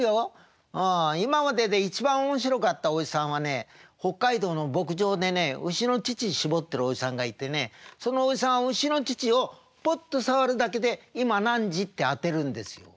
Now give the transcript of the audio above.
今までで一番面白かったおじさんはね北海道の牧場でね牛の乳搾ってるおじさんがいてねそのおじさん牛の乳をポッと触るだけで今何時って当てるんですよ。